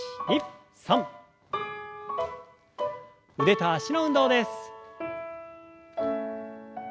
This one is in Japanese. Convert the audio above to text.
腕と脚の運動です。